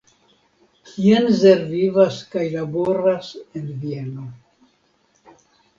Kienzer vivas kaj laboras en Vieno.